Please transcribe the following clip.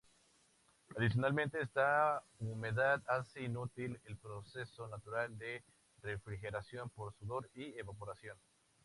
Adicionalmente, esta humedad hace inútil el proceso natural de refrigeración por sudor y evaporación.